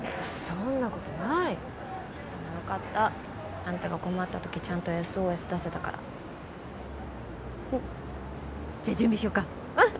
そんなことないでもよかったあんたが困った時ちゃんとＳＯＳ出せたからうんじゃあ準備しようかうん！